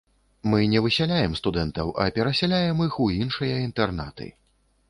Мы не высяляем студэнтаў, а перасяляем іх у іншыя інтэрнаты.